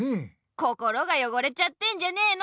心がよごれちゃってんじゃねの。